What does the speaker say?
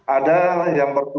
ada yang berkutuk